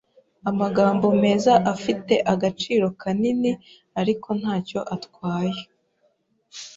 Amagambo meza afite agaciro kanini, ariko ntacyo atwaye.